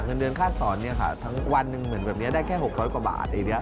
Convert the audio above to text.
เงินเดือนค่าสอนทั้งวันนึงเหมือนแบบนี้ได้แค่๖๐๐กว่าบาท